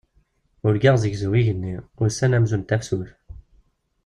Urgaɣ zegzaw yigenni, ussan amzun d tafsut.